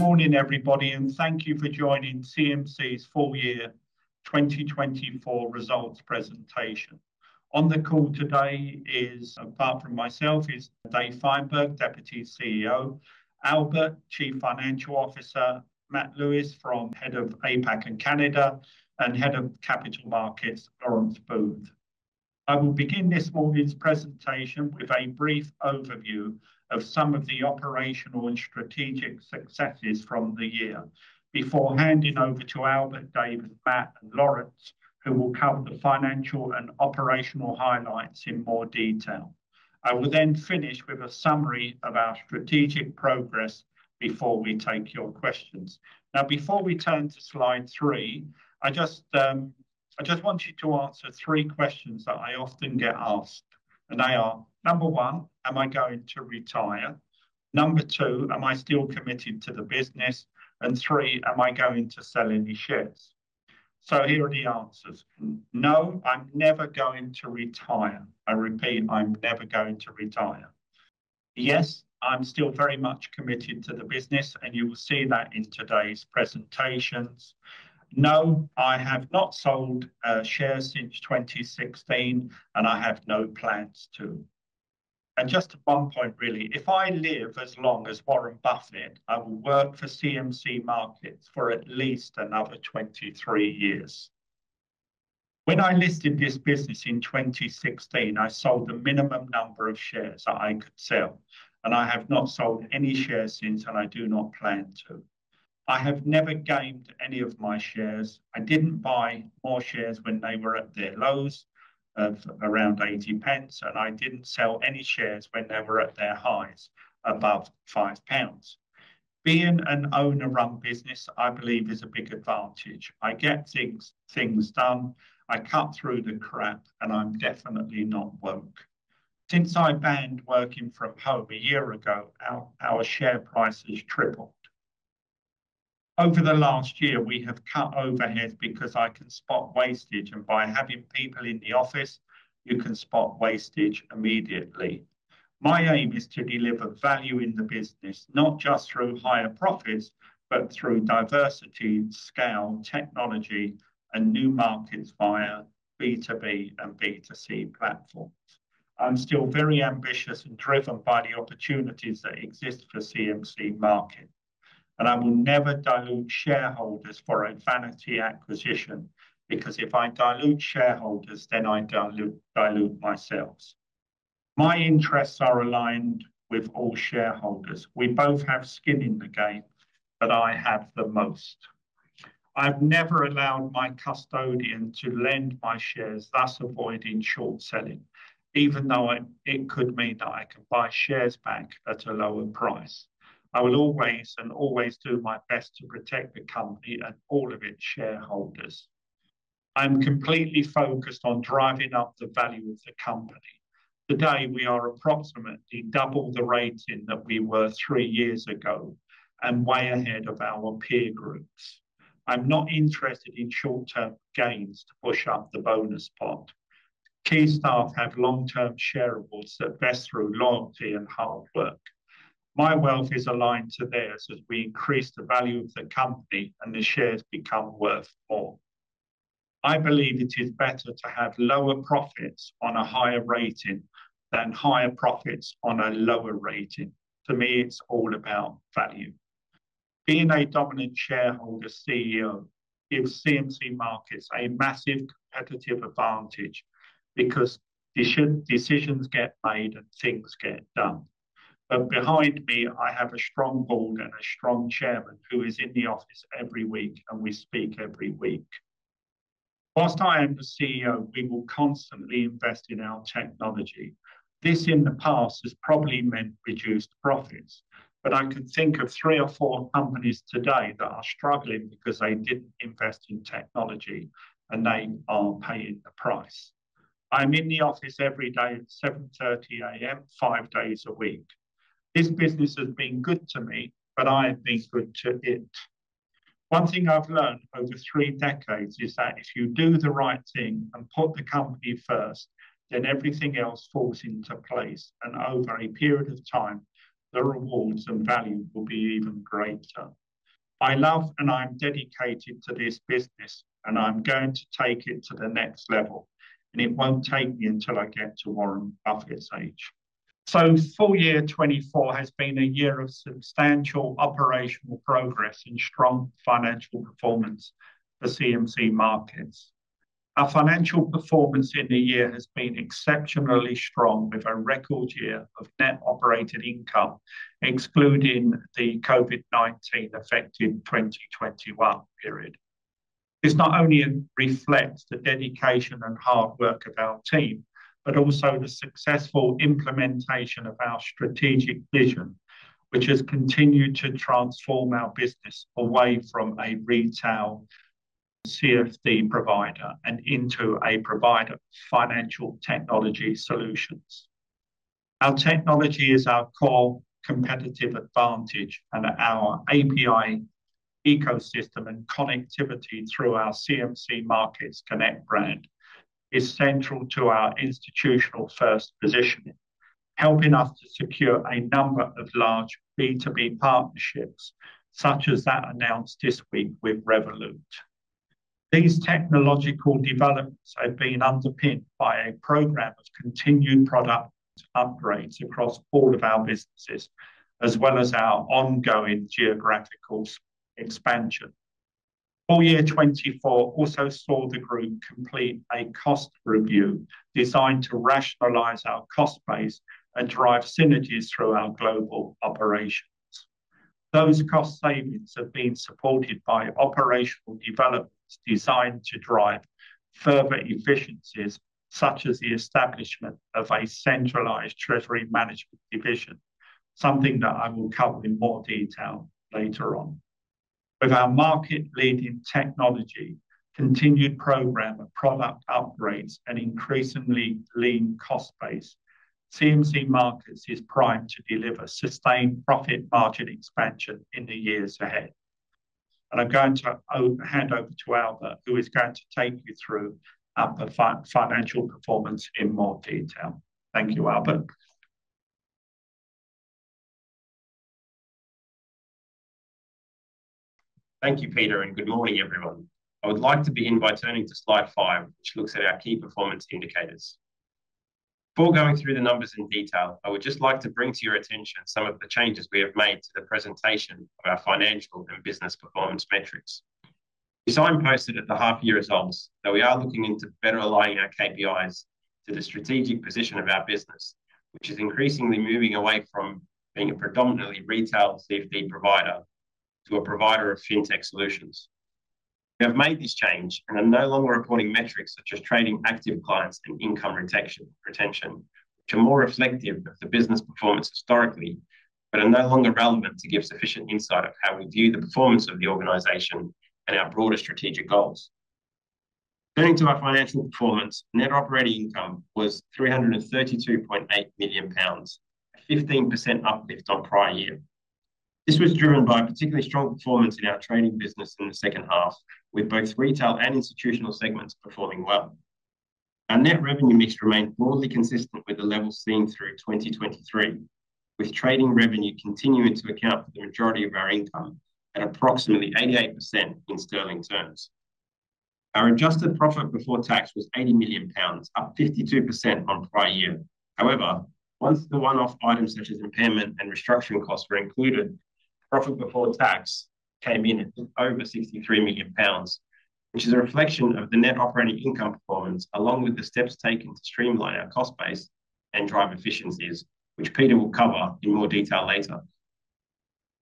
Good morning, everybody, and thank you for joining CMC's full-year 2024 results presentation. On the call today, apart from myself, is David Fineberg, Deputy CEO; Albert, Chief Financial Officer; Matt Lewis, Head of APAC and Canada; and Head of Capital Markets, Laurence Booth. I will begin this morning's presentation with a brief overview of some of the operational and strategic successes from the year before handing over to Albert, David, Matt, and Laurence, who will cover the financial and operational highlights in more detail. I will then finish with a summary of our strategic progress before we take your questions. Now, before we turn to slide three, I just want to answer three questions that I often get asked, and they are: number one, am I going to retire? Number two, am I still committed to the business? And three, am I going to sell any shares? Here are the answers. No, I'm never going to retire. I repeat, I'm never going to retire. Yes, I'm still very much committed to the business, and you will see that in today's presentations. No, I have not sold shares since 2016, and I have no plans to. Just one point, really: if I live as long as Warren Buffett, I will work for CMC Markets for at least another 23 years. When I listed this business in 2016, I sold the minimum number of shares that I could sell, and I have not sold any shares since, and I do not plan to. I have never gamed any of my shares. I didn't buy more shares when they were at their lows of around 0.80, and I didn't sell any shares when they were at their highs above 5 pounds. Being an owner-run business, I believe, is a big advantage. I get things done, I cut through the crap, and I'm definitely not woke. Since I banned working from home a year ago, our share prices tripled. Over the last year, we have cut overheads because I can spot wastage, and by having people in the office, you can spot wastage immediately. My aim is to deliver value in the business, not just through higher profits, but through diversity, scale, technology, and new markets via B2B and B2C platforms. I'm still very ambitious and driven by the opportunities that exist for CMC Markets, and I will never dilute shareholders for a vanity acquisition because if I dilute shareholders, then I dilute myself. My interests are aligned with all shareholders. We both have skin in the game, but I have the most. I've never allowed my custodian to lend my shares, thus avoiding short selling, even though it could mean that I could buy shares back at a lower price. I will always and always do my best to protect the company and all of its shareholders. I'm completely focused on driving up the value of the company. Today, we are approximately double the rating that we were three years ago and way ahead of our peer groups. I'm not interested in short-term gains to push up the bonus pot. Key staff have long-term shareholders that vest through loyalty and hard work. My wealth is aligned to theirs as we increase the value of the company and the shares become worth more. I believe it is better to have lower profits on a higher rating than higher profits on a lower rating. To me, it's all about value. Being a dominant shareholder CEO gives CMC Markets a massive competitive advantage because decisions get made and things get done. But behind me, I have a strong board and a strong chairman who is in the office every week, and we speak every week. Whilst I am the CEO, we will constantly invest in our technology. This, in the past, has probably meant reduced profits, but I can think of three or four companies today that are struggling because they didn't invest in technology, and they are paying the price. I'm in the office every day at 7:30 A.M., five days a week. This business has been good to me, but I have been good to it. One thing I've learned over three decades is that if you do the right thing and put the company first, then everything else falls into place, and over a period of time, the rewards and value will be even greater. I love and I'm dedicated to this business, and I'm going to take it to the next level, and it won't take me until I get to Warren Buffett's age. Full year 2024 has been a year of substantial operational progress and strong financial performance for CMC Markets. Our financial performance in the year has been exceptionally strong, with a record year of net operating income, excluding the COVID-19-affected 2021 period. This not only reflects the dedication and hard work of our team, but also the successful implementation of our strategic vision, which has continued to transform our business away from a retail CFD provider and into a provider of financial technology solutions. Our technology is our core competitive advantage, and our API ecosystem and connectivity through our CMC Markets Connect brand is central to our institutional first positioning, helping us to secure a number of large B2B partnerships, such as that announced this week with Revolut. These technological developments have been underpinned by a program of continued product upgrades across all of our businesses, as well as our ongoing geographical expansion. Full year 2024 also saw the group complete a cost review designed to rationalize our cost base and drive synergies through our global operations. Those cost savings have been supported by operational developments designed to drive further efficiencies, such as the establishment of a centralized treasury management division, something that I will cover in more detail later on. With our market-leading technology, continued program of product upgrades, and increasingly lean cost base, CMC Markets is primed to deliver sustained profit margin expansion in the years ahead. And I'm going to hand over to Albert, who is going to take you through our financial performance in more detail. Thank you, Albert. Thank you, Peter, and good morning, everyone. I would like to begin by turning to slide five, which looks at our key performance indicators. Before going through the numbers in detail, I would just like to bring to your attention some of the changes we have made to the presentation of our financial and business performance metrics. It's signposted at the half-year results that we are looking into better aligning our KPIs to the strategic position of our business, which is increasingly moving away from being a predominantly retail CFD provider to a provider of fintech solutions. We have made this change and are no longer reporting metrics such as trading active clients and income retention, which are more reflective of the business performance historically, but are no longer relevant to give sufficient insight of how we view the performance of the organization and our broader strategic goals. Turning to our financial performance, net operating income was 332.8 million pounds, a 15% uplift on prior year. This was driven by particularly strong performance in our trading business in the second half, with both retail and institutional segments performing well. Our net revenue mix remained broadly consistent with the levels seen through 2023, with trading revenue continuing to account for the majority of our income at approximately 88% in sterling terms. Our adjusted profit before tax was 80 million pounds, up 52% on prior year. However, once the one-off items such as impairment and restructuring costs were included, profit before tax came in at over 63 million pounds, which is a reflection of the net operating income performance along with the steps taken to streamline our cost base and drive efficiencies, which Peter will cover in more detail later.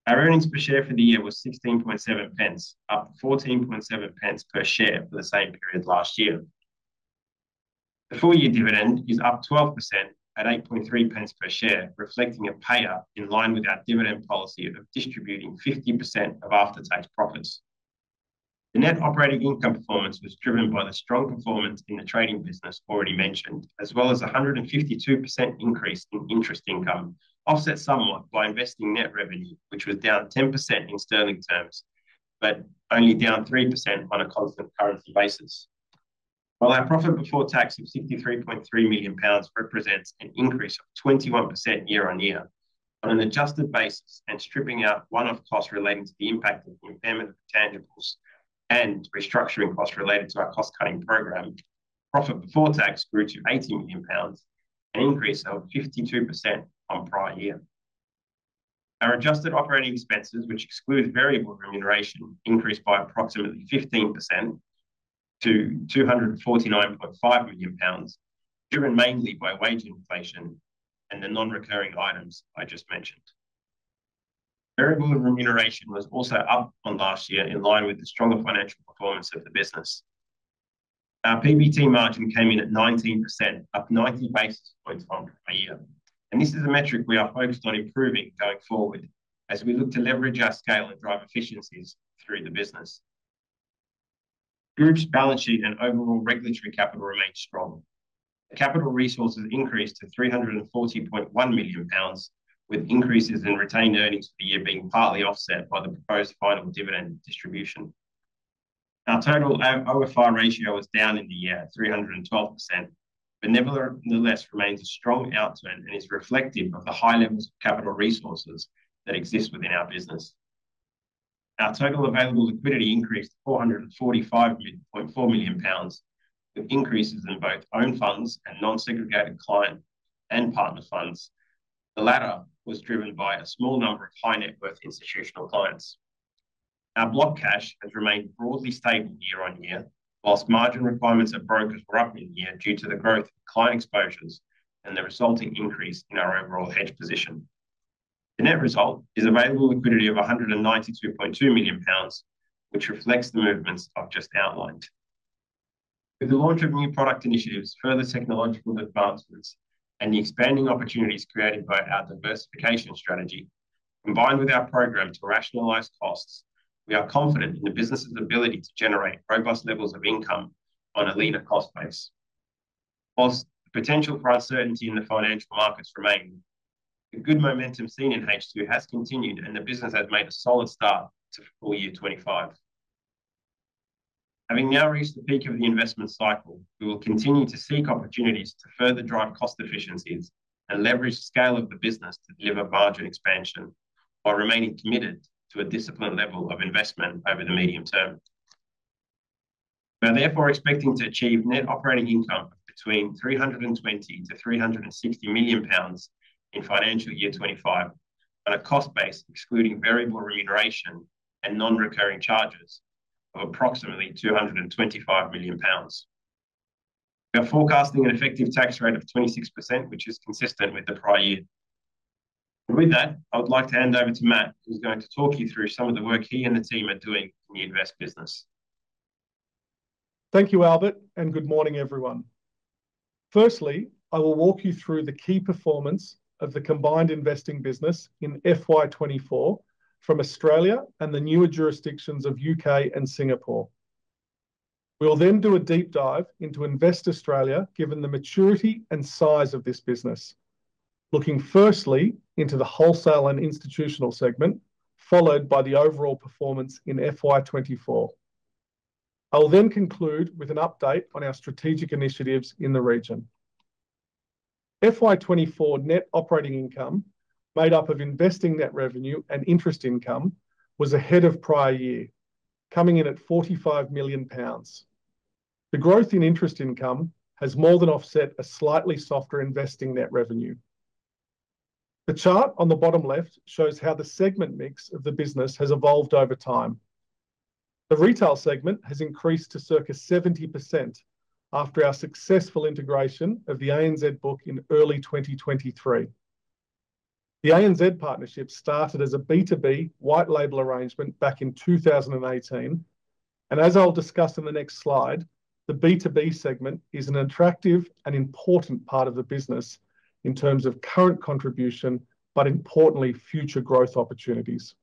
Our earnings per share for the year was 16.7, up 14.7 per share for the same period last year. The full-year dividend is up 12% at 8.3 per share, reflecting a payout in line with our dividend policy of distributing 50% of after-tax profits. The net operating income performance was driven by the strong performance in the trading business already mentioned, as well as a 152% increase in interest income, offset somewhat by investing net revenue, which was down 10% in sterling terms, but only down 3% on a constant currency basis. While our profit before tax of 63.3 million pounds represents an increase of 21% year-on-year, on an adjusted basis and stripping out one-off costs relating to the impact of the impairment of the intangibles and restructuring costs related to our cost-cutting program, profit before tax grew to 80 million pounds and increased over 52% on prior year. Our adjusted operating expenses, which excludes variable remuneration, increased by approximately 15% to 249.5 million pounds, driven mainly by wage inflation and the non-recurring items I just mentioned. Variable remuneration was also up on last year in line with the stronger financial performance of the business. Our PBT margin came in at 19%, up 90 basis points on prior year, and this is a metric we are focused on improving going forward as we look to leverage our scale and drive efficiencies through the business. Group's balance sheet and overall regulatory capital remained strong. The capital resources increased to 340.1 million pounds, with increases in retained earnings for the year being partly offset by the proposed final dividend distribution. Our total OFR ratio was down in the year at 312%, but nevertheless remains a strong outturn and is reflective of the high levels of capital resources that exist within our business. Our total available liquidity increased to 445.4 million pounds, with increases in both own funds and non-segregated client and partner funds. The latter was driven by a small number of high-net-worth institutional clients. Our block cash has remained broadly stable year-over-year, while margin requirements at brokers were up in the year due to the growth of client exposures and the resulting increase in our overall hedge position. The net result is available liquidity of 192.2 million pounds, which reflects the movements I've just outlined. With the launch of new product initiatives, further technological advancements, and the expanding opportunities created by our diversification strategy, combined with our program to rationalize costs, we are confident in the business's ability to generate robust levels of income on a leaner cost base. While the potential for uncertainty in the financial markets remains, the good momentum seen in H2 has continued, and the business has made a solid start to full year 2025. Having now reached the peak of the investment cycle, we will continue to seek opportunities to further drive cost efficiencies and leverage the scale of the business to deliver margin expansion while remaining committed to a disciplined level of investment over the medium term. We are therefore expecting to achieve net operating income of between 320 million-360 million pounds in financial year 2025, and a cost base excluding variable remuneration and non-recurring charges of approximately 225 million pounds. We are forecasting an effective tax rate of 26%, which is consistent with the prior year. With that, I would like to hand over to Matt, who's going to talk you through some of the work he and the team are doing in the invest business. Thank you, Albert, and good morning, everyone. Firstly, I will walk you through the key performance of the combined investing business in FY24 from Australia and the newer jurisdictions of U.K. and Singapore. We'll then do a deep dive into Invest Australia, given the maturity and size of this business, looking firstly into the wholesale and institutional segment, followed by the overall performance in FY24. I'll then conclude with an update on our strategic initiatives in the region. FY24 Net Operating Income, made up of investing net revenue and interest income, was ahead of prior year, coming in at 45 million pounds. The growth in interest income has more than offset a slightly softer investing net revenue. The chart on the bottom left shows how the segment mix of the business has evolved over time. The retail segment has increased to circa 70% after our successful integration of the ANZ book in early 2023. The ANZ partnership started as a B2B white label arrangement back in 2018, and as I'll discuss in the next slide, the B2B segment is an attractive and important part of the business in terms of current contribution, but importantly, future growth opportunities.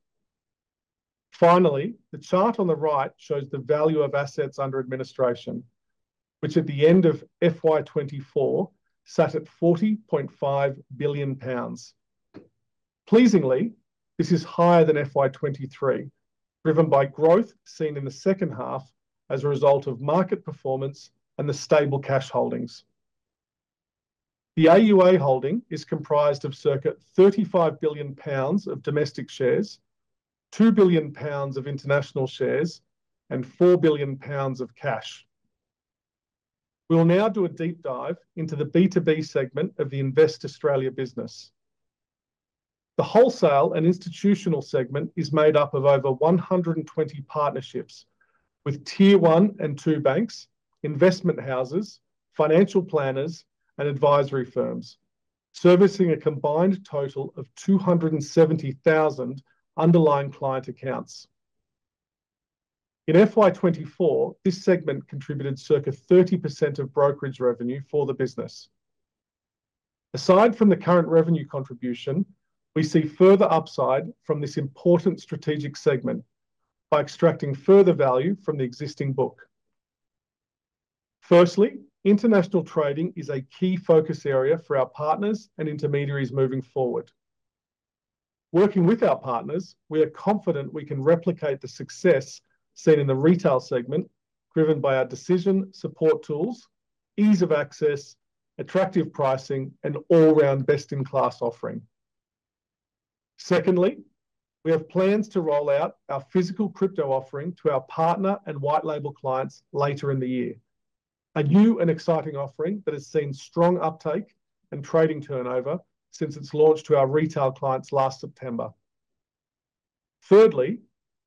Finally, the chart on the right shows the value of assets under administration, which at the end of FY24 sat at 40.5 billion pounds. Pleasingly, this is higher than FY23, driven by growth seen in the second half as a result of market performance and the stable cash holdings. The AUA holding is comprised of circa 35 billion pounds of domestic shares, 2 billion pounds of international shares, and 4 billion pounds of cash. We'll now do a deep dive into the B2B segment of the Invest Australia business. The wholesale and institutional segment is made up of over 120 partnerships with tier one and two banks, investment houses, financial planners, and advisory firms, servicing a combined total of 270,000 underlying client accounts. In FY24, this segment contributed circa 30% of brokerage revenue for the business. Aside from the current revenue contribution, we see further upside from this important strategic segment by extracting further value from the existing book. Firstly, international trading is a key focus area for our partners and intermediaries moving forward. Working with our partners, we are confident we can replicate the success seen in the retail segment, driven by our decision support tools, ease of access, attractive pricing, and all-round best-in-class offering. Secondly, we have plans to roll out our physical crypto offering to our partner and white label clients later in the year, a new and exciting offering that has seen strong uptake and trading turnover since its launch to our retail clients last September. Thirdly,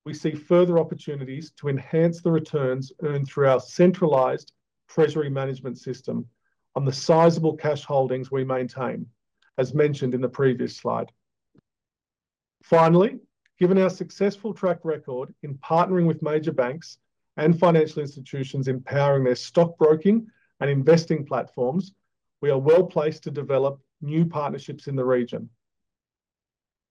we see further opportunities to enhance the returns earned through our centralized treasury management system on the sizable cash holdings we maintain, as mentioned in the previous slide. Finally, given our successful track record in partnering with major banks and financial institutions empowering their stock-broking and investing platforms, we are well placed to develop new partnerships in the region.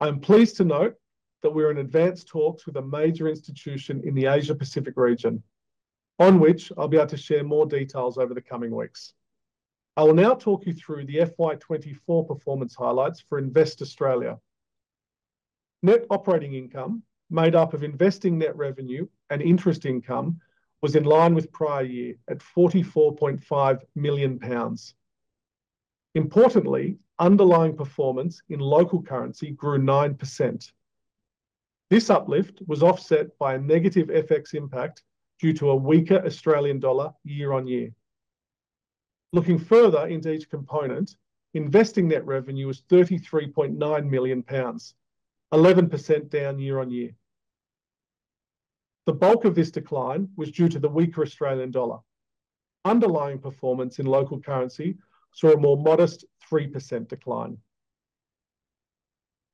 I'm pleased to note that we are in advanced talks with a major institution in the Asia-Pacific region, on which I'll be able to share more details over the coming weeks. I will now talk you through the FY 2024 performance highlights for Invest Australia. Net Operating Income, made up of investing net revenue and interest income, was in line with prior year at 44.5 million pounds. Importantly, underlying performance in local currency grew 9%. This uplift was offset by a negative FX impact due to a weaker Australian dollar year-on-year. Looking further into each component, investing net revenue was 33.9 million pounds, 11% down year-on-year. The bulk of this decline was due to the weaker Australian dollar. Underlying performance in local currency saw a more modest 3% decline.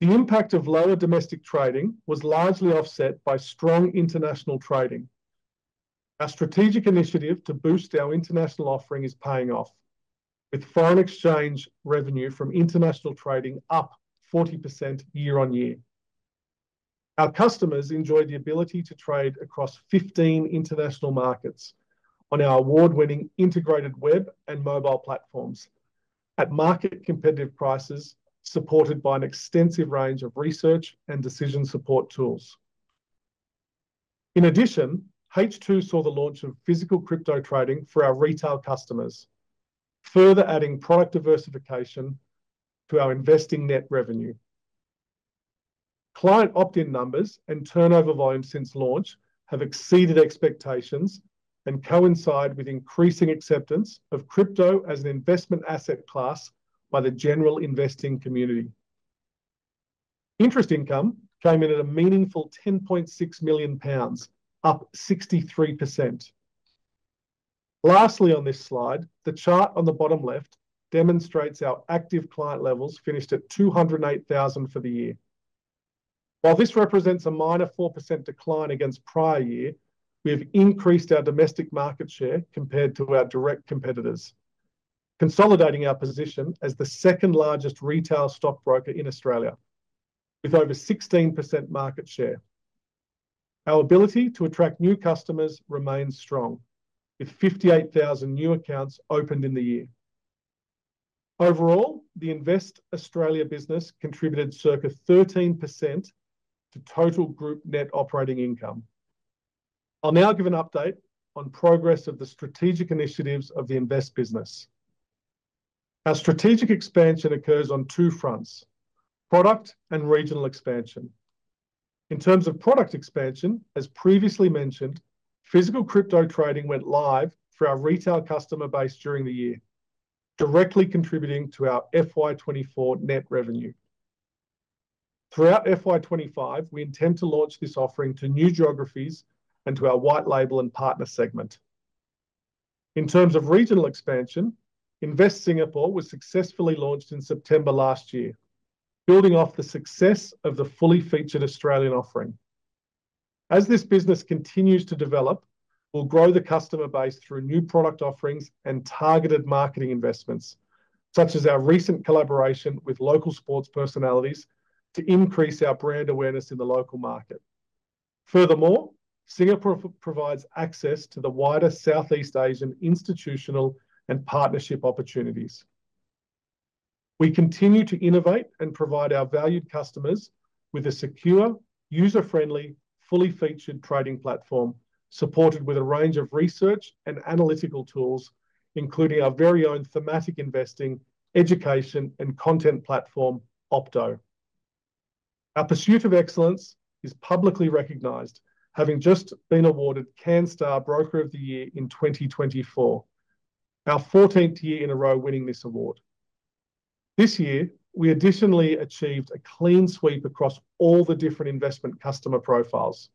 The impact of lower domestic trading was largely offset by strong international trading. Our strategic initiative to boost our international offering is paying off, with foreign exchange revenue from international trading up 40% year-on-year. Our customers enjoy the ability to trade across 15 international markets on our award-winning integrated web and mobile platforms at market-competitive prices, supported by an extensive range of research and decision support tools. In addition, H2 saw the launch of physical crypto trading for our retail customers, further adding product diversification to our investing net revenue. Client opt-in numbers and turnover volume since launch have exceeded expectations and coincide with increasing acceptance of crypto as an investment asset class by the general investing community. Interest income came in at a meaningful 10.6 million pounds, up 63%. Lastly, on this slide, the chart on the bottom left demonstrates our active client levels finished at 208,000 for the year. While this represents a minor 4% decline against prior year, we have increased our domestic market share compared to our direct competitors, consolidating our position as the second-largest retail stock broker in Australia, with over 16% market share. Our ability to attract new customers remains strong, with 58,000 new accounts opened in the year. Overall, the Invest Australia business contributed circa 13% to total group net operating income. I'll now give an update on progress of the strategic initiatives of the Invest business. Our strategic expansion occurs on two fronts: product and regional expansion. In terms of product expansion, as previously mentioned, physical crypto trading went live through our retail customer base during the year, directly contributing to our FY24 net revenue. Throughout FY25, we intend to launch this offering to new geographies and to our white label and partner segment. In terms of regional expansion, Invest Singapore was successfully launched in September last year, building off the success of the fully featured Australian offering. As this business continues to develop, we'll grow the customer base through new product offerings and targeted marketing investments, such as our recent collaboration with local sports personalities to increase our brand awareness in the local market. Furthermore, Singapore provides access to the wider Southeast Asian institutional and partnership opportunities. We continue to innovate and provide our valued customers with a secure, user-friendly, fully featured trading platform supported with a range of research and analytical tools, including our very own thematic investing, education, and content platform, Opto. Our pursuit of excellence is publicly recognized, having just been awarded Canstar Broker of the Year in 2024, our 14th year in a row winning this award. This year, we additionally achieved a clean sweep across all the different investment customer profiles.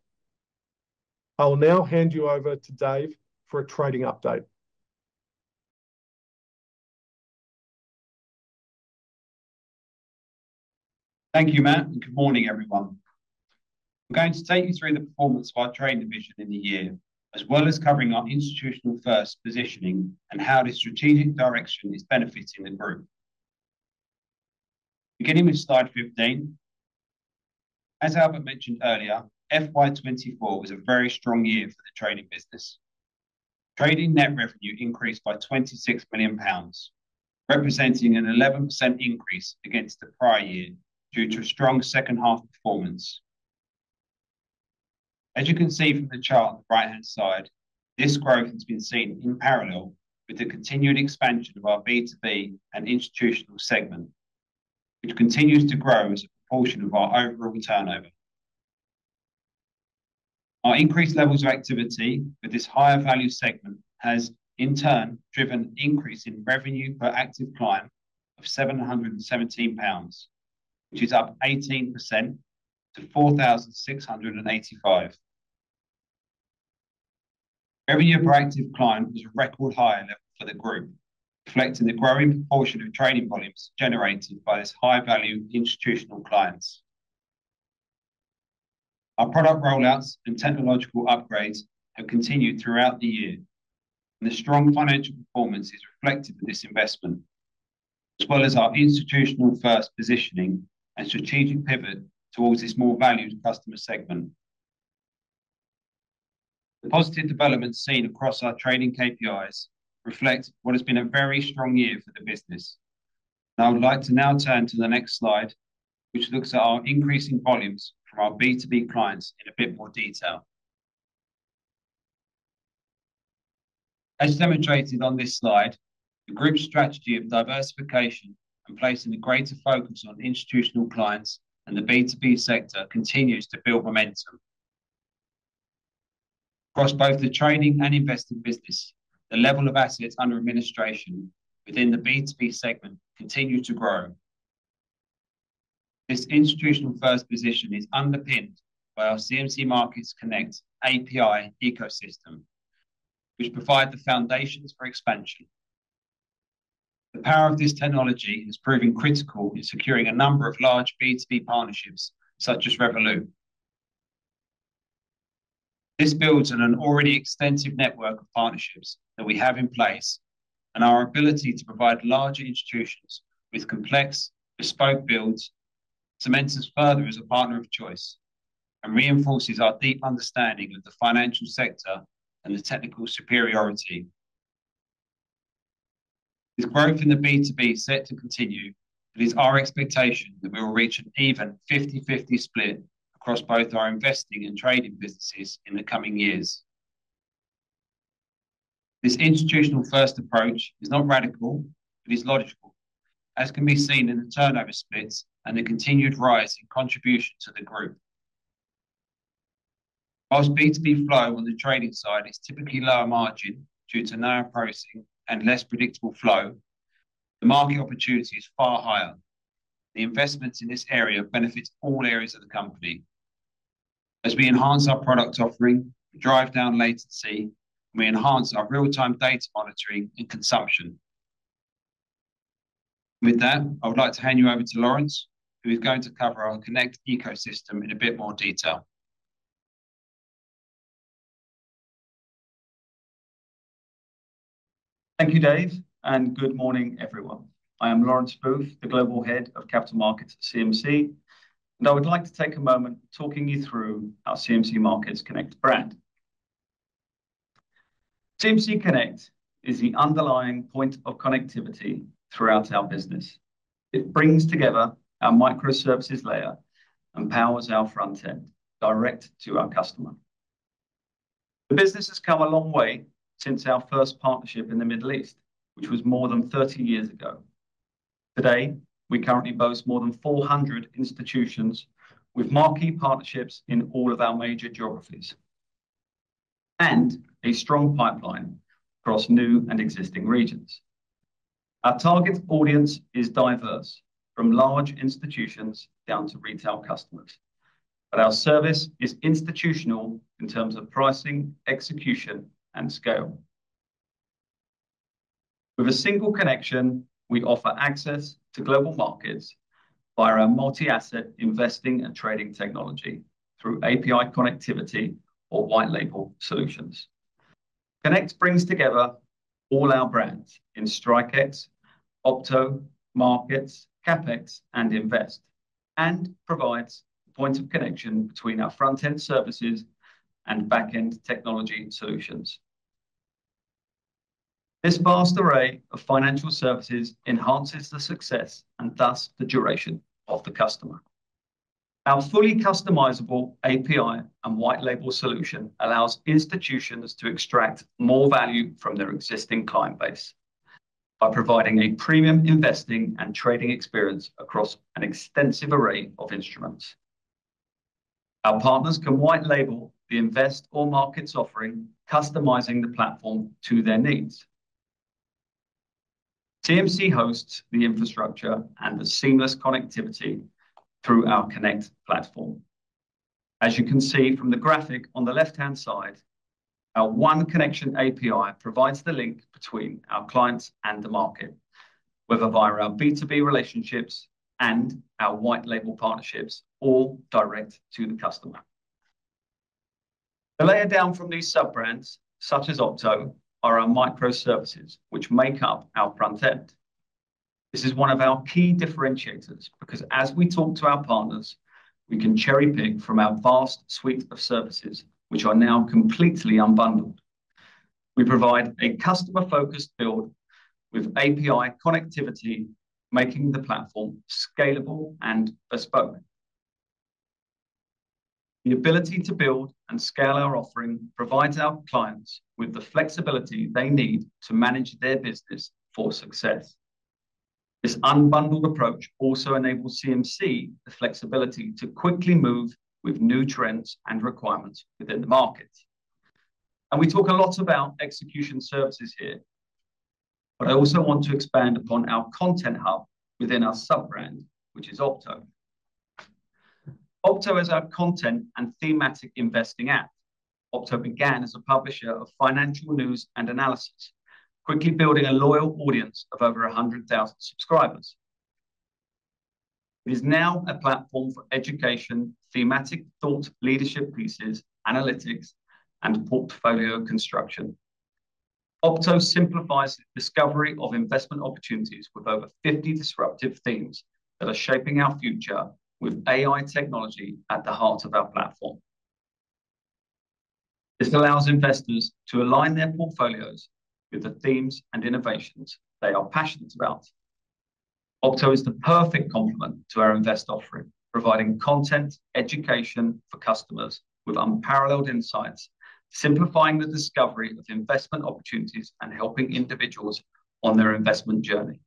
I'll now hand you over to Dave for a trading update. Thank you, Matt, and good morning, everyone. I'm going to take you through the performance of our trading division in the year, as well as covering our institutional-first positioning and how this strategic direction is benefiting the group. Beginning with slide 15, as Albert mentioned earlier, FY 2024 was a very strong year for the trading business. Trading net revenue increased by 26 million pounds, representing an 11% increase against the prior year due to a strong second-half performance. As you can see from the chart on the right-hand side, this growth has been seen in parallel with the continued expansion of our B2B and institutional segment, which continues to grow as a proportion of our overall turnover. Our increased levels of activity with this higher value segment has, in turn, driven an increase in revenue per active client of 717 pounds, which is up 18% to 4,685. Revenue per active client was a record high level for the group, reflecting the growing proportion of trading volumes generated by this high-value institutional client. Our product rollouts and technological upgrades have continued throughout the year, and the strong financial performance is reflected in this investment, as well as our institutional-first positioning and strategic pivot towards this more valued customer segment. The positive developments seen across our trading KPIs reflect what has been a very strong year for the business. I would like to now turn to the next slide, which looks at our increasing volumes from our B2B clients in a bit more detail. As demonstrated on this slide, the group's strategy of diversification and placing a greater focus on institutional clients and the B2B sector continues to build momentum. Across both the trading and investing business, the level of assets under administration within the B2B segment continues to grow. This institutional-first position is underpinned by our CMC Markets Connect API ecosystem, which provides the foundations for expansion. The power of this technology has proven critical in securing a number of large B2B partnerships, such as Revolut. This builds on an already extensive network of partnerships that we have in place, and our ability to provide larger institutions with complex, bespoke builds cements us further as a partner of choice and reinforces our deep understanding of the financial sector and the technical superiority. With growth in the B2B set to continue, it is our expectation that we will reach an even 50/50 split across both our investing and trading businesses in the coming years. This institutional-first approach is not radical, but is logical, as can be seen in the turnover splits and the continued rise in contribution to the group. While B2B flow on the trading side is typically lower margin due to narrow pricing and less predictable flow, the market opportunity is far higher. The investments in this area benefit all areas of the company as we enhance our product offering, drive down latency, and we enhance our real-time data monitoring and consumption. With that, I would like to hand you over to Laurence, who is going to cover our Connect ecosystem in a bit more detail. Thank you, Dave, and good morning, everyone. I am Laurence Booth, the Global Head of Capital Markets at CMC, and I would like to take a moment talking you through our CMC Markets Connect brand. CMC Connect is the underlying point of connectivity throughout our business. It brings together our microservices layer and powers our front end direct to our customer. The business has come a long way since our first partnership in the Middle East, which was more than 30 years ago. Today, we currently boast more than 400 institutions with marquee partnerships in all of our major geographies and a strong pipeline across new and existing regions. Our target audience is diverse, from large institutions down to retail customers, but our service is institutional in terms of pricing, execution, and scale. With a single connection, we offer access to global markets via our multi-asset investing and trading technology through API connectivity or white label solutions. Connect brings together all our brands in StrikeX, Opto, Markets, CapEx, and Invest, and provides the point of connection between our front-end services and back-end technology solutions. This vast array of financial services enhances the success and thus the duration of the customer. Our fully customizable API and white label solution allows institutions to extract more value from their existing client base by providing a premium investing and trading experience across an extensive array of instruments. Our partners can white label the invest or markets offering, customizing the platform to their needs. CMC hosts the infrastructure and the seamless connectivity through our Connect platform. As you can see from the graphic on the left-hand side, our One Connection API provides the link between our clients and the market, whether via our B2B relationships and our white label partnerships or direct to the customer. The layer down from these sub-brands, such as Opto or our microservices, which make up our front end. This is one of our key differentiators because, as we talk to our partners, we can cherry-pick from our vast suite of services, which are now completely unbundled. We provide a customer-focused build with API connectivity, making the platform scalable and bespoke. The ability to build and scale our offering provides our clients with the flexibility they need to manage their business for success. This unbundled approach also enables CMC the flexibility to quickly move with new trends and requirements within the market. We talk a lot about execution services here, but I also want to expand upon our content hub within our sub-brand, which is Opto. Opto is our content and thematic investing app. Opto began as a publisher of financial news and analysis, quickly building a loyal audience of over 100,000 subscribers. It is now a platform for education, thematic thought leadership pieces, analytics, and portfolio construction. Opto simplifies the discovery of investment opportunities with over 50 disruptive themes that are shaping our future with AI technology at the heart of our platform. This allows investors to align their portfolios with the themes and innovations they are passionate about. Opto is the perfect complement to our invest offering, providing content education for customers with unparalleled insights, simplifying the discovery of investment opportunities and helping individuals on their investment journey.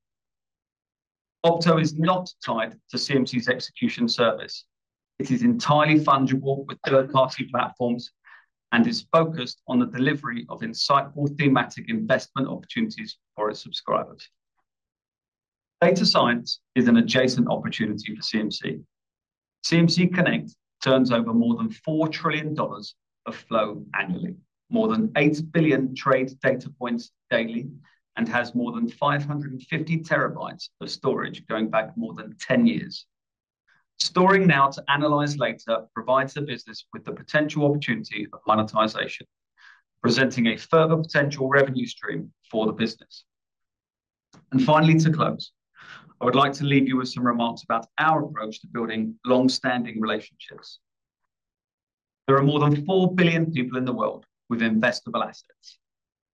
Opto is not tied to CMC's execution service. It is entirely fungible with third-party platforms and is focused on the delivery of insightful thematic investment opportunities for its subscribers. Data science is an adjacent opportunity for CMC. CMC Connect turns over more than $4 trillion of flow annually, more than 8 billion trade data points daily, and has more than 550 TB of storage going back more than 10 years. Storing now to analyze later provides the business with the potential opportunity of monetization, presenting a further potential revenue stream for the business. Finally, to close, I would like to leave you with some remarks about our approach to building long-standing relationships. There are more than 4 billion people in the world with investable assets.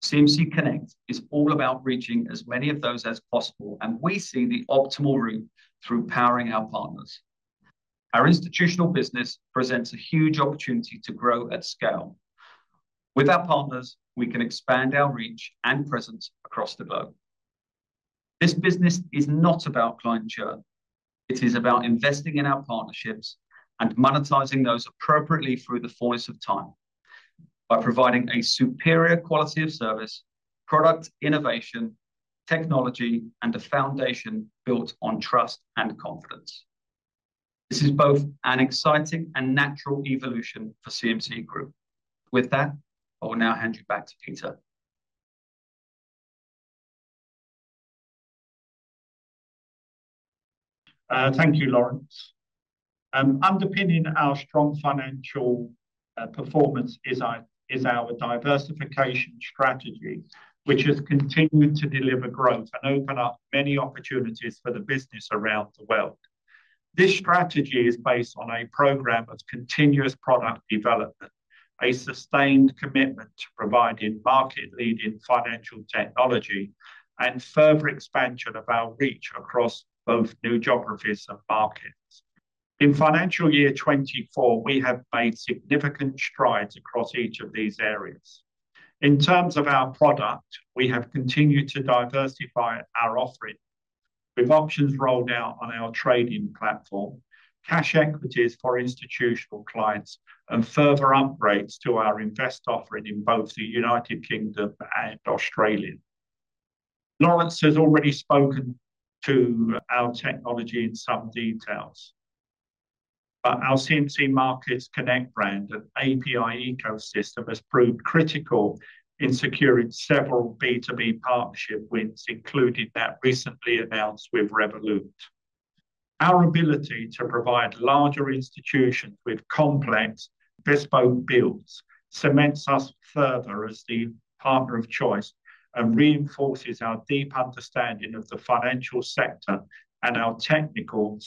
CMC Connect is all about reaching as many of those as possible, and we see the optimal route through powering our partners. Our institutional business presents a huge opportunity to grow at scale. With our partners, we can expand our reach and presence across the globe. This business is not about clientele. It is about investing in our partnerships and monetizing those appropriately through the force of time by providing a superior quality of service, product innovation, technology, and a foundation built on trust and confidence. This is both an exciting and natural evolution for CMC Group. With that, I will now hand you back to Peter. Thank you, Laurence. Underpinning our strong financial performance is our diversification strategy, which has continued to deliver growth and open up many opportunities for the business around the world. This strategy is based on a program of continuous product development, a sustained commitment to providing market-leading financial technology, and further expansion of our reach across both new geographies and markets. In financial year 2024, we have made significant strides across each of these areas. In terms of our product, we have continued to diversify our offering with options rolled out on our trading platform, cash equities for institutional clients, and further upgrades to our invest offering in both the United Kingdom and Australia. Laurence has already spoken to our technology in some details, but our CMC Markets Connect brand and API ecosystem has proved critical in securing several B2B partnership wins, including that recently announced with Revolut. Our ability to provide larger institutions with complex bespoke builds cements us further as the partner of choice and reinforces our deep understanding of the financial sector and our technical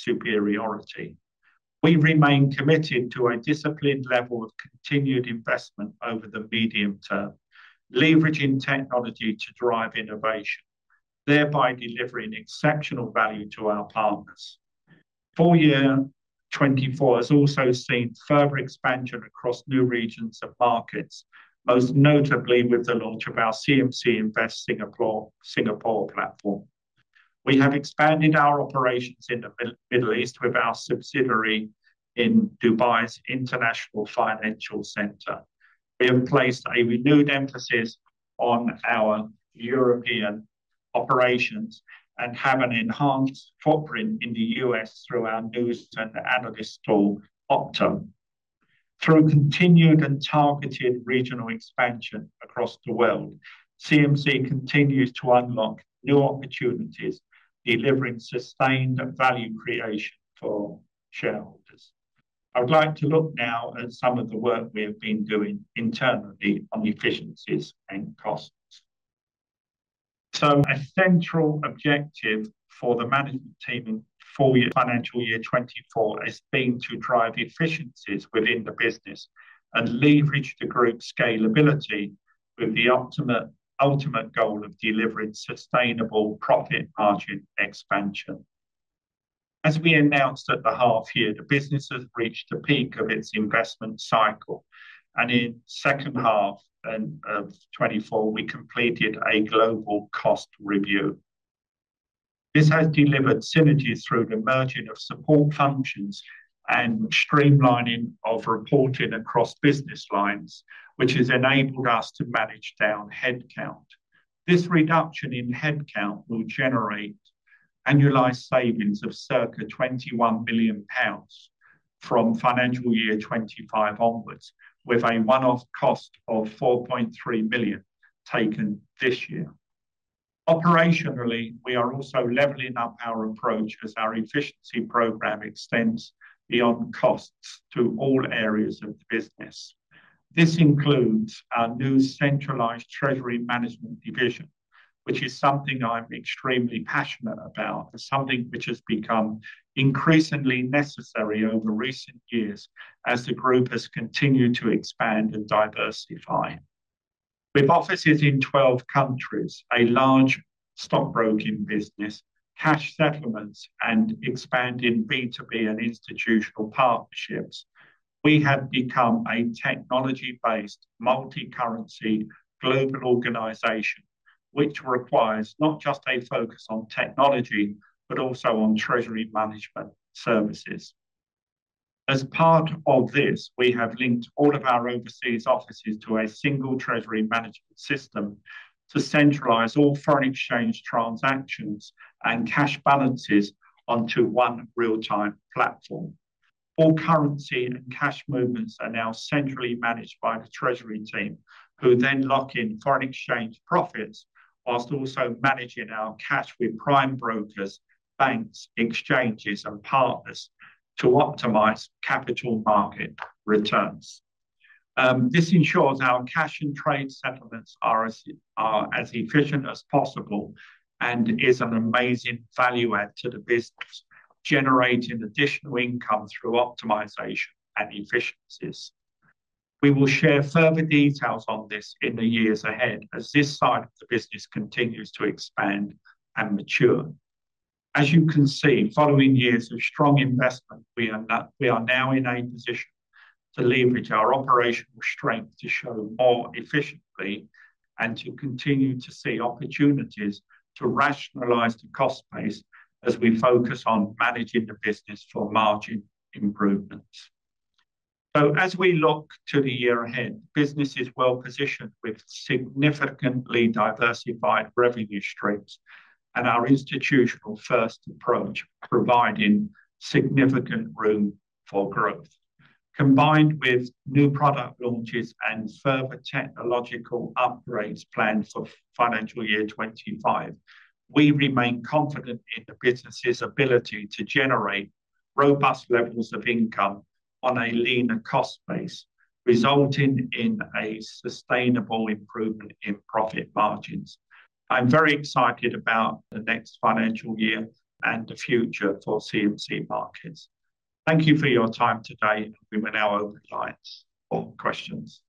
superiority. We remain committed to a disciplined level of continued investment over the medium term, leveraging technology to drive innovation, thereby delivering exceptional value to our partners. FY 2024 has also seen further expansion across new regions of markets, most notably with the launch of our CMC Invest Singapore platform. We have expanded our operations in the Middle East with our subsidiary in Dubai's International Financial Center. We have placed a renewed emphasis on our European operations and have an enhanced footprint in the U.S. through our news and analysis tool, Opto. Through continued and targeted regional expansion across the world, CMC continues to unlock new opportunities, delivering sustained value creation for shareholders. I would like to look now at some of the work we have been doing internally on efficiencies and costs. So, a central objective for the management team in FY 2024 has been to drive efficiencies within the business and leverage the group's scalability with the ultimate goal of delivering sustainable profit margin expansion. As we announced at the half year, the business has reached the peak of its investment cycle, and in the second half of 2024, we completed a global cost review. This has delivered synergy through the merging of support functions and streamlining of reporting across business lines, which has enabled us to manage down headcount. This reduction in headcount will generate annualized savings of circa 21 million pounds from FY 2025 onwards, with a one-off cost of 4.3 million taken this year. Operationally, we are also leveling up our approach as our efficiency program extends beyond costs to all areas of the business. This includes our new centralized treasury management division, which is something I'm extremely passionate about, something which has become increasingly necessary over recent years as the group has continued to expand and diversify. With offices in 12 countries, a large stockbroking business, cash settlements, and expanding B2B and institutional partnerships, we have become a technology-based multi-currency global organization, which requires not just a focus on technology, but also on treasury management services. As part of this, we have linked all of our overseas offices to a single treasury management system to centralize all foreign exchange transactions and cash balances onto one real-time platform. All currency and cash movements are now centrally managed by the treasury team, who then lock in foreign exchange profits while also managing our cash with prime brokers, banks, exchanges, and partners to optimize capital market returns. This ensures our cash and trade settlements are as efficient as possible and is an amazing value add to the business, generating additional income through optimization and efficiencies. We will share further details on this in the years ahead as this side of the business continues to expand and mature. As you can see, following years of strong investment, we are now in a position to leverage our operational strength to show more efficiently and to continue to see opportunities to rationalize the cost base as we focus on managing the business for margin improvements. So, as we look to the year ahead, the business is well positioned with significantly diversified revenue streams and our institutional-first approach providing significant room for growth. Combined with new product launches and further technological upgrades planned for financial year 2025, we remain confident in the business's ability to generate robust levels of income on a leaner cost base, resulting in a sustainable improvement in profit margins. I'm very excited about the next financial year and the future for CMC Markets. Thank you for your time today, and we will now open the lines for questions.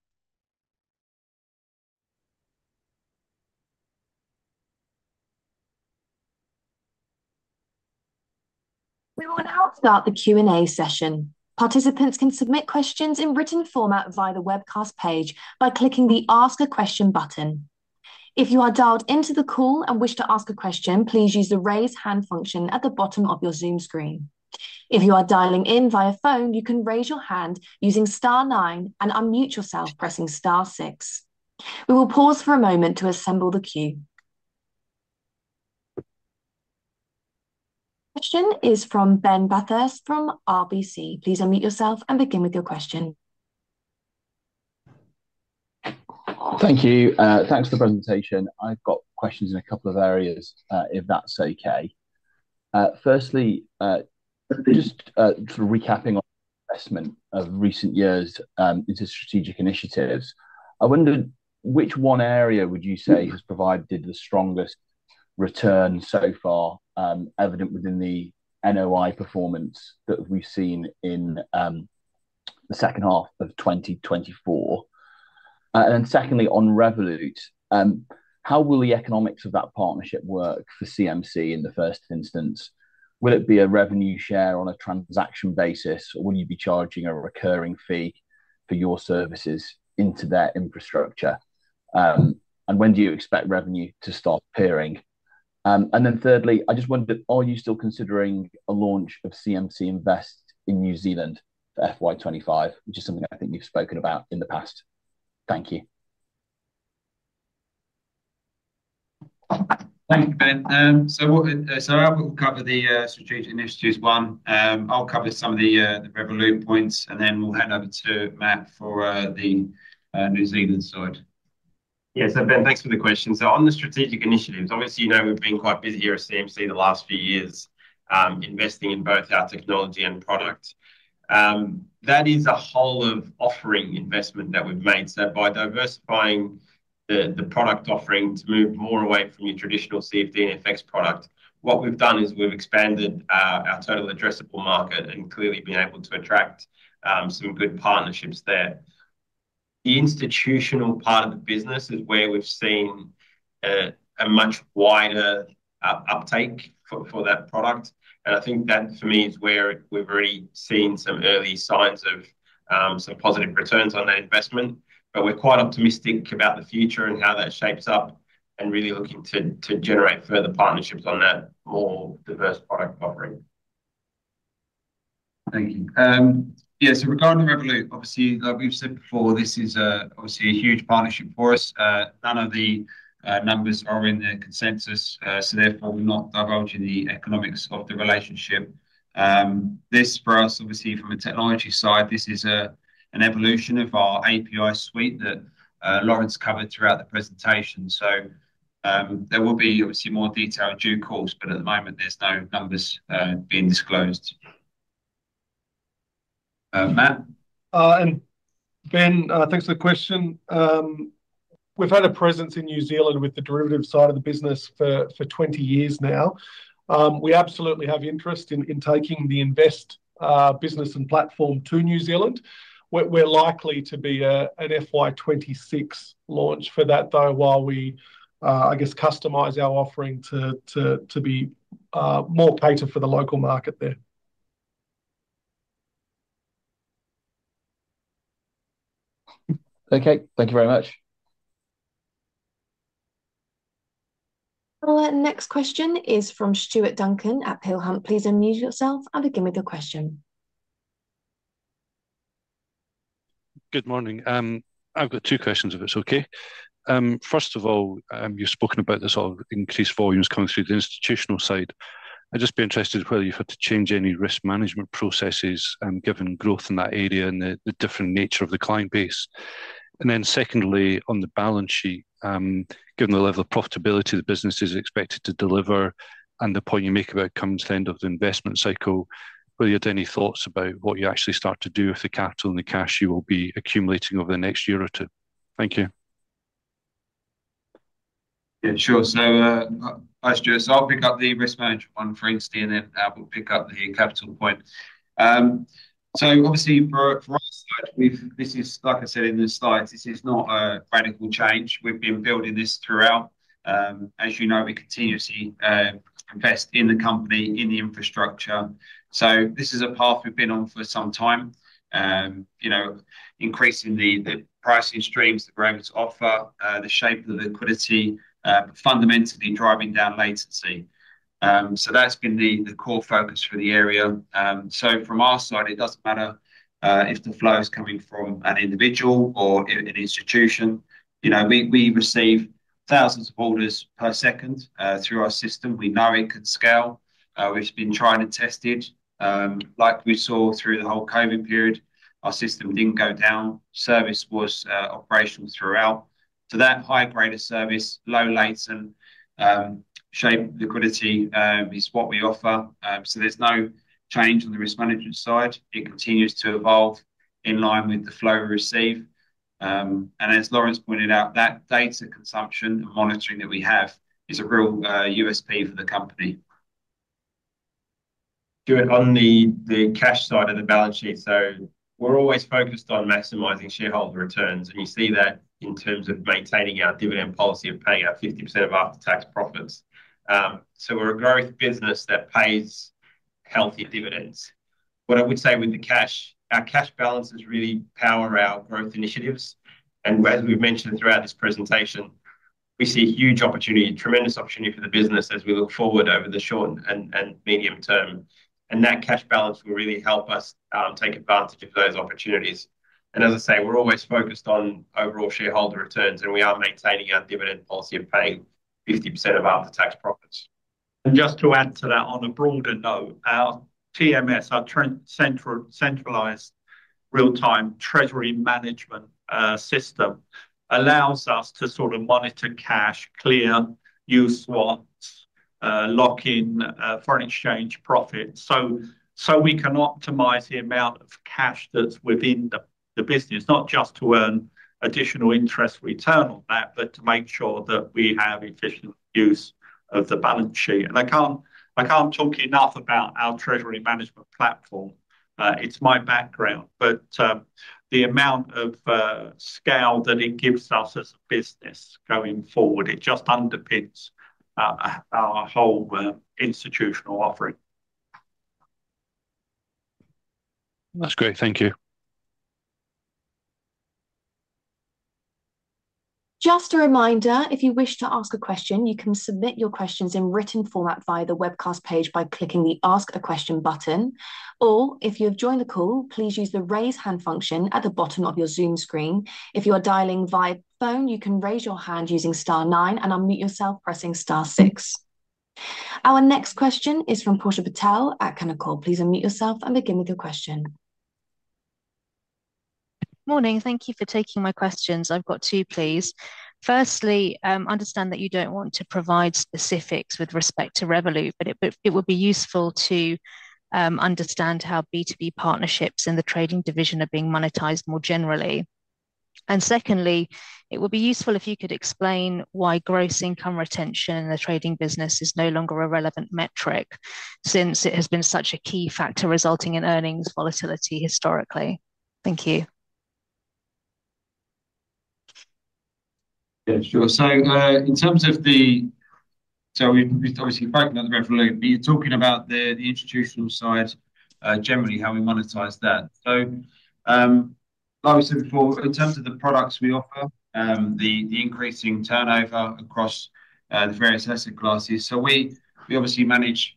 We will now start the Q&A session. Participants can submit questions in written format via the webcast page by clicking the Ask a Question button. If you are dialed into the call and wish to ask a question, please use the raise hand function at the bottom of your Zoom screen. If you are dialing in via phone, you can raise your hand using star nine and unmute yourself pressing star six. We will pause for a moment to assemble the queue. The question is from Ben Bathurst from RBC. Please unmute yourself and begin with your question. Thank you. Thanks for the presentation. I've got questions in a couple of areas, if that's okay. Firstly, just sort of recapping on investment of recent years into strategic initiatives, I wondered which one area would you say has provided the strongest return so far evident within the NOI performance that we've seen in the second half of 2024? And then secondly, on Revolut, how will the economics of that partnership work for CMC in the first instance? Will it be a revenue share on a transaction basis, or will you be charging a recurring fee for your services into that infrastructure? And when do you expect revenue to start appearing? And then thirdly, I just wondered, are you still considering a launch of CMC Invest in New Zealand for FY2025, which is something I think you've spoken about in the past? Thank you. Thank you, Ben. So I will cover the strategic initiatives one. I'll cover some of the Revolut points, and then we'll hand over to Matt for the New Zealand side. Yeah, so Ben, thanks for the question. So on the strategic initiatives, obviously you know we've been quite busy here at CMC the last few years investing in both our technology and product. That is a whole of offering investment that we've made. So by diversifying the product offering to move more away from your traditional CFD and FX product, what we've done is we've expanded our total addressable market and clearly been able to attract some good partnerships there. The institutional part of the business is where we've seen a much wider uptake for that product. And I think that for me is where we've already seen some early signs of some positive returns on that investment. But we're quite optimistic about the future and how that shapes up and really looking to generate further partnerships on that more diverse product offering. Thank you. Yeah, so regarding Revolut, obviously, like we've said before, this is obviously a huge partnership for us. None of the numbers are in the consensus, so therefore we're not divulging the economics of the relationship. This for us, obviously from a technology side, this is an evolution of our API suite that Laurence covered throughout the presentation. So there will be obviously more detail due course, but at the moment there's no numbers being disclosed. Matt. Ben, thanks for the question. We've had a presence in New Zealand with the derivatives side of the business for 20 years now. We absolutely have interest in taking the invest business and platform to New Zealand. We're likely to be an FY26 launch for that, though, while we, I guess, customize our offering to be more catered for the local market there. Okay, thank you very much. Our next question is from Stuart Duncan at Peel Hunt. Please unmute yourself and begin with your question. Good morning. I've got two questions, if it's okay. First of all, you've spoken about the sort of increased volumes coming through the institutional side. I'd just be interested whether you've had to change any risk management processes given growth in that area and the different nature of the client base. And then secondly, on the balance sheet, given the level of profitability the business is expected to deliver and the point you make about coming to the end of the investment cycle, whether you had any thoughts about what you actually start to do with the capital and the cash you will be accumulating over the next year or two. Thank you. Yeah, sure. So I'll pick up the risk management one for instance, and then I will pick up the capital point. So obviously for our side, this is, like I said in the slides, this is not a radical change. We've been building this throughout. As you know, we continuously invest in the company, in the infrastructure. So this is a path we've been on for some time, increasing the pricing streams that we're able to offer, the shape of the liquidity, but fundamentally driving down latency. So that's been the core focus for the area. So from our side, it doesn't matter if the flow is coming from an individual or an institution. We receive thousands of orders per second through our system. We know it can scale. We've been trying and tested. Like we saw through the whole COVID period, our system didn't go down. Service was operational throughout. So that high-grade of service, low latency, shape liquidity is what we offer. So there's no change on the risk management side. It continues to evolve in line with the flow we receive. And as Laurence pointed out, that data consumption and monitoring that we have is a real USP for the company. Stuart, on the cash side of the balance sheet, so we're always focused on maximizing shareholder returns. And you see that in terms of maintaining our dividend policy of paying out 50% of after-tax profits. So we're a growth business that pays healthy dividends. What I would say with the cash, our cash balances really power our growth initiatives. And as we've mentioned throughout this presentation, we see huge opportunity, tremendous opportunity for the business as we look forward over the short and medium term. That cash balance will really help us take advantage of those opportunities. And as I say, we're always focused on overall shareholder returns, and we are maintaining our dividend policy of paying 50% of after-tax profits. Just to add to that, on a broader note, our TMS, our centralized real-time treasury management system, allows us to sort of monitor cash, clear, use swaps, lock in foreign exchange profits. So we can optimize the amount of cash that's within the business, not just to earn additional interest return on that, but to make sure that we have efficient use of the balance sheet. I can't talk enough about our treasury management platform. It's my background, but the amount of scale that it gives us as a business going forward. It just underpins our whole institutional offering. That's great. Thank you. Just a reminder, if you wish to ask a question, you can submit your questions in written format via the webcast page by clicking the Ask a Question button. Or if you have joined the call, please use the raise hand function at the bottom of your Zoom screen. If you are dialing via phone, you can raise your hand using star nine and unmute yourself pressing star six. Our next question is from Portia Patel at Canaccord Genuity. Please unmute yourself and begin with your question. Morning. Thank you for taking my questions. I've got two, please. Firstly, I understand that you don't want to provide specifics with respect to Revolut, but it would be useful to understand how B2B partnerships in the trading division are being monetized more generally. Secondly, it would be useful if you could explain why gross income retention in the trading business is no longer a relevant metric since it has been such a key factor resulting in earnings volatility historically. Thank you. Yeah, sure. So in terms of the, so we've obviously spoken about the Revolut, but you're talking about the institutional side, generally how we monetize that. So like we said before, in terms of the products we offer, the increasing turnover across the various asset classes. So we obviously manage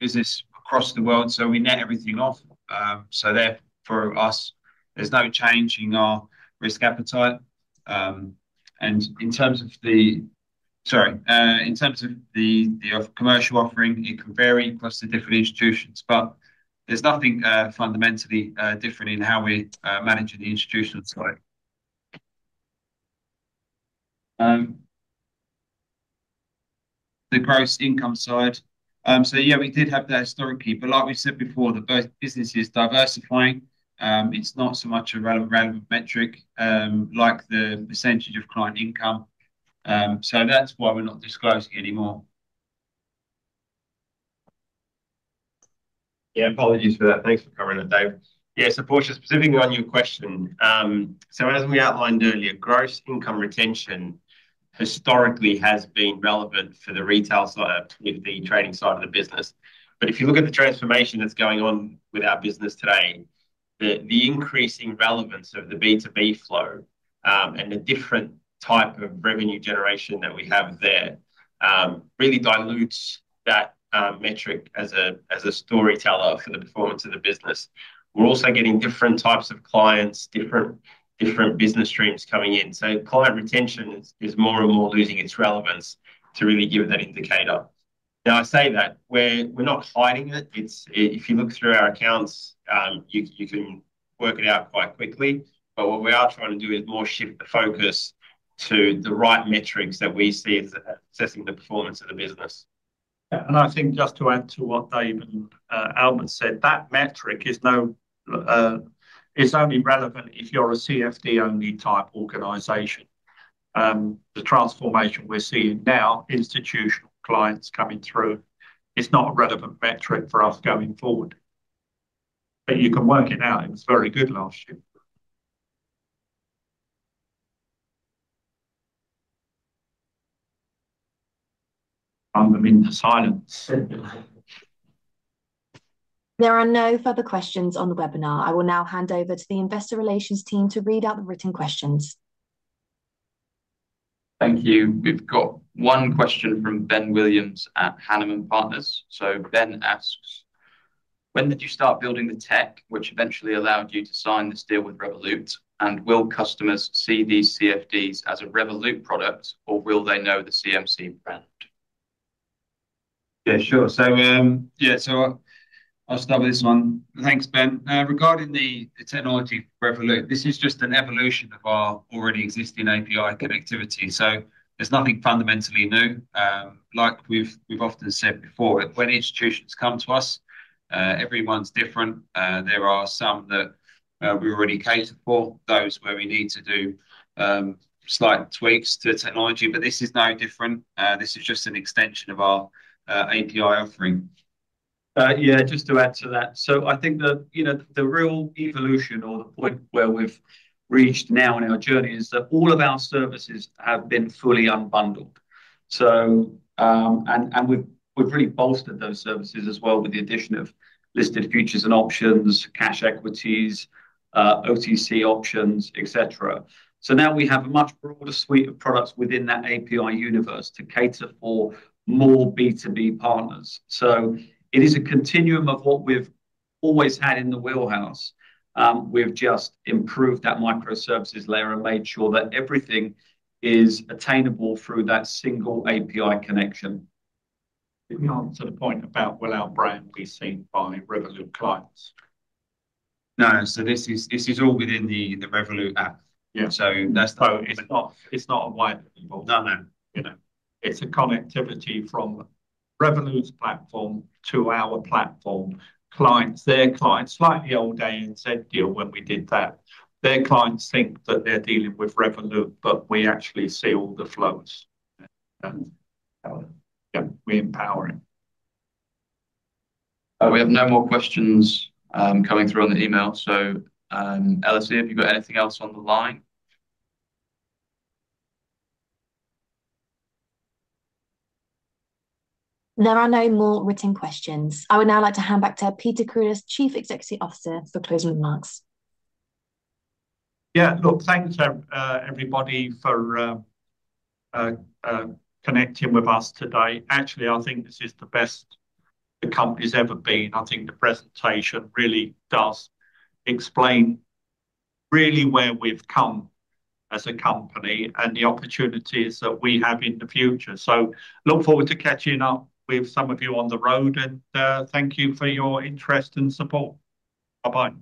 business across the world, so we net everything off. So therefore, for us, there's no change in our risk appetite. And in terms of the, sorry, in terms of the commercial offering, it can vary across the different institutions, but there's nothing fundamentally different in how we're managing the institutional side. The gross income side. So yeah, we did have that historically, but like we said before, the business is diversifying. It's not so much a relevant metric like the percentage of client income. So that's why we're not disclosing it anymore. Yeah, apologies for that. Thanks for covering it, Dave. Yeah, so Portia, specifically on your question, so as we outlined earlier, gross income retention historically has been relevant for the retail side of the trading side of the business. But if you look at the transformation that's going on with our business today, the increasing relevance of the B2B flow and the different type of revenue generation that we have there really dilutes that metric as a storyteller for the performance of the business. We're also getting different types of clients, different business streams coming in. So client retention is more and more losing its relevance to really give that indicator. Now, I say that we're not hiding it. If you look through our accounts, you can work it out quite quickly. What we are trying to do is more shift the focus to the right metrics that we see as assessing the performance of the business. I think just to add to what David and Albert said, that metric is only relevant if you're a CFD-only type organization. The transformation we're seeing now, institutional clients coming through, it's not a relevant metric for us going forward. But you can work it out. It was very good last year. There are no further questions on the webinar. I will now hand over to the investor relations team to read out the written questions. Thank you. We've got one question from Ben Williams at Hannam & Partners. So Ben asks, "When did you start building the tech, which eventually allowed you to sign this deal with Revolut? And will customers see these CFDs as a Revolut product, or will they know the CMC brand?" Yeah, sure. So yeah, so I'll start with this one. Thanks, Ben. Regarding the technology for Revolut, this is just an evolution of our already existing API connectivity. So there's nothing fundamentally new. Like we've often said before, when institutions come to us, everyone's different. There are some that we already cater for, those where we need to do slight tweaks to technology. But this is no different. This is just an extension of our API offering. Yeah, just to add to that, so I think that the real evolution or the point where we've reached now in our journey is that all of our services have been fully unbundled. And we've really bolstered those services as well with the addition of listed futures and options, cash equities, OTC options, etc. So now we have a much broader suite of products within that API universe to cater for more B2B partners. So it is a continuum of what we've always had in the wheelhouse. We've just improved that microservices layer and made sure that everything is attainable through that single API connection. If you answer the point about will our brand be seen by Revolut clients? No. So this is all within the Revolut app. Yeah. That's not. It's not a white label. No, no. It's a connectivity from Revolut's platform to our platform. Clients, their clients, slightly old, they said deal when we did that. Their clients think that they're dealing with Revolut, but we actually see all the flows. Yeah, we empower it. We have no more questions coming through on the email. So Alison, have you got anything else on the line? There are no more written questions. I would now like to hand back to Peter Cruddas, Chief Executive Officer, for closing remarks. Yeah. Look, thank you, everybody, for connecting with us today. Actually, I think this is the best the company's ever been. I think the presentation really does explain really where we've come as a company and the opportunities that we have in the future. So, look forward to catching up with some of you on the road. And thank you for your interest and support. Bye-bye.